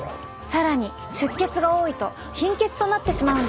更に出血が多いと貧血となってしまうんです。